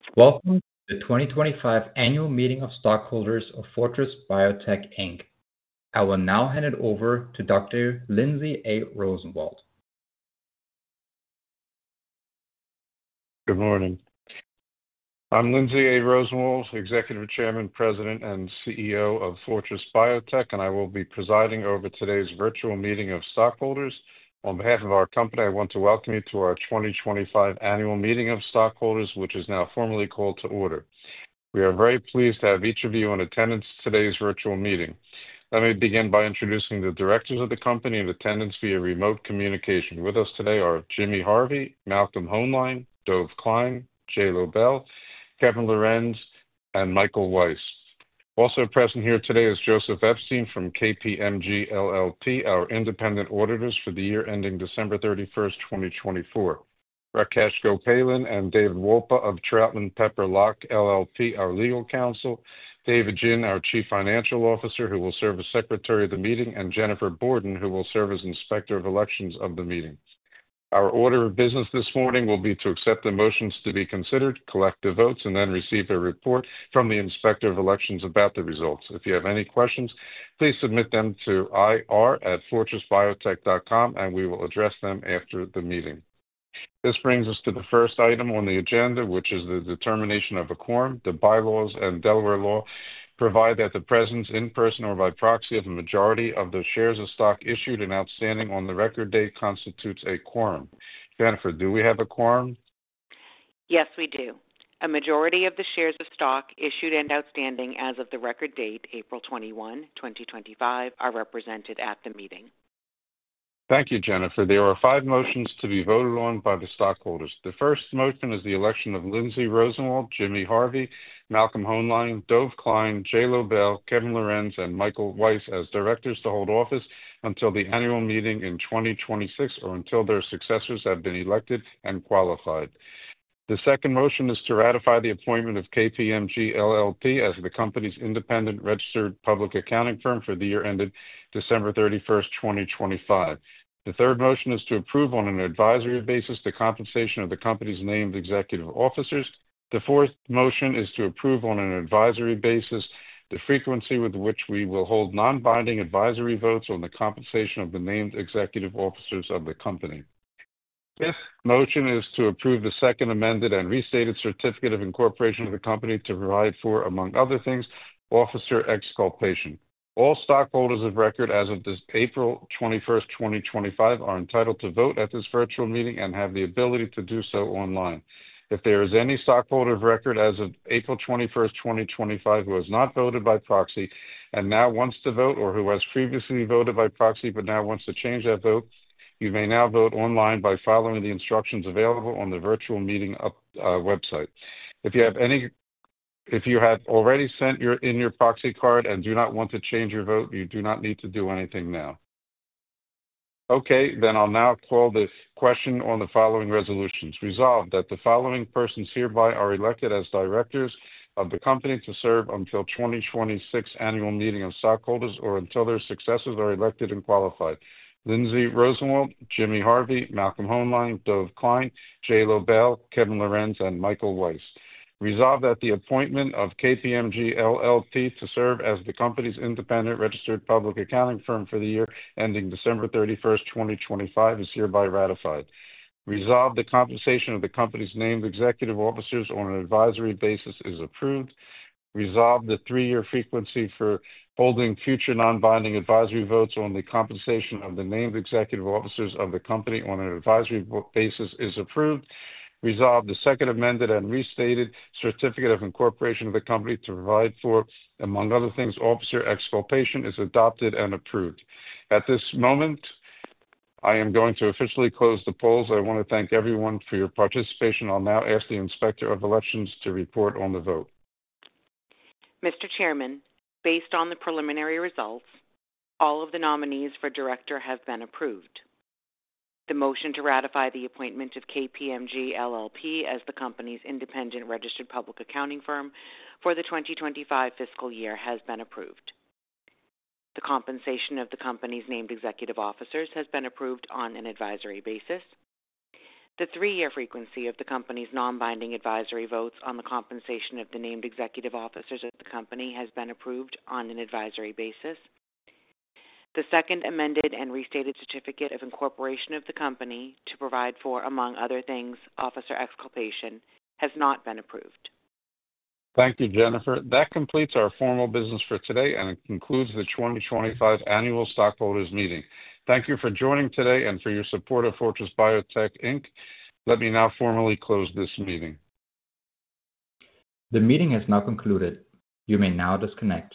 Welcome to the 2025 Annual Meeting of Stockholders of Fortress Biotech, Inc. I will now hand it over to Dr. Lindsay A. Rosenwald. Good morning. I'm Lindsay A. Rosenwald, Executive Chairman, President, and CEO of Fortress Biotech, and I will be presiding over today's virtual meeting of stockholders. On behalf of our company, I want to welcome you to our 2025 Annual Meeting of Stockholders, which is now formally called to order. We are very pleased to have each of you in attendance at today's virtual meeting. Let me begin by introducing the directors of the company in attendance via remote communication. With us today are Jimmie Harvey, Malcolm Hoenlein, Dov Klein, Jay Lobell, Kevin Lorenz, and Michael Weiss. Also present here today is Joseph Epstein from KPMG LLP, our independent auditors for the year ending December 31, 2024. Rakesh Gopalan and David Wolpa of Troutman Pepper Locke LLP, our legal counsel. David Jin, our Chief Financial Officer, who will serve as Secretary of the Meeting, and Jennifer Borden, who will serve as Inspector of Elections of the Meeting. Our order of business this morning will be to accept the motions to be considered, collect the votes, and then receive a report from the Inspector of Elections about the results. If you have any questions, please submit them to ir@fortressbiotech.com, and we will address them after the meeting. This brings us to the first item on the agenda, which is the determination of a quorum. The bylaws and Delaware law provide that the presence, in person or by proxy, of a majority of the shares of stock issued and outstanding on the record date constitutes a quorum. Jennifer, do we have a quorum? Yes, we do. A majority of the shares of stock issued and outstanding as of the record date, April 21, 2025, are represented at the meeting. Thank you, Jennifer. There are five motions to be voted on by the stockholders. The first motion is the election of Lindsay A. Rosenwald, Jimmie Harvey, Malcolm Hoenlein, Dov Klein, Jay Lobell, Kevin Lorenz, and Michael Weiss as directors to hold office until the Annual Meeting in 2026 or until their successors have been elected and qualified. The second motion is to ratify the appointment of KPMG LLP as the company's independent registered public accounting firm for the year ended December 31st, 2025. The third motion is to approve on an advisory basis the compensation of the company's named executive officers. The fourth motion is to approve on an advisory basis the frequency with which we will hold non-binding advisory votes on the compensation of the named executive officers of the company. Fifth motion is to approve the second amended and restated certificate of incorporation of the company to provide for, among other things, officer exculpation. All stockholders of record as of April 21st, 2025, are entitled to vote at this virtual meeting and have the ability to do so online. If there is any stockholder of record as of April 21st, 2025 who has not voted by proxy and now wants to vote or who has previously voted by proxy but now wants to change that vote, you may now vote online by following the instructions available on the virtual meeting website. If you had already sent your proxy card and do not want to change your vote, you do not need to do anything now. Okay, then I'll now call this question on the following resolutions. Resolve that the following persons hereby are elected as directors of the company to serve until the 2026 Annual Meeting of Stockholders or until their successors are elected and qualified: Lindsay Rosenwald, Jimmie Harvey, Malcolm Hoenlein, Dov Klein, Jay Lobell, Kevin Lorenz, and Michael Weiss. Resolve that the appointment of KPMG LLP to serve as the company's independent registered public accounting firm for the year ending December 31st, 2025, is hereby ratified. Resolve the compensation of the company's named executive officers on an advisory basis is approved. Resolve the three-year frequency for holding future non-binding advisory votes on the compensation of the named executive officers of the company on an advisory basis is approved. Resolve the second amended and restated certificate of incorporation of the company to provide for, among other things, officer exculpation is adopted and approved. At this moment, I am going to officially close the polls. I want to thank everyone for your participation. I'll now ask the Inspector of Elections to report on the vote. Mr. Chairman, based on the preliminary results, all of the nominees for director have been approved. The motion to ratify the appointment of KPMG LLP as the company's independent registered public accounting firm for the 2025 fiscal year has been approved. The compensation of the company's named executive officers has been approved on an advisory basis. The three-year frequency of the company's non-binding advisory votes on the compensation of the named executive officers of the company has been approved on an advisory basis. The second amended and restated certificate of incorporation of the company to provide for, among other things, officer exculpation has not been approved. Thank you, Jennifer. That completes our formal business for today and concludes the 2025 Annual Stockholders' Meeting. Thank you for joining today and for your support of Fortress Biotech. Let me now formally close this meeting. The meeting has now concluded. You may now disconnect.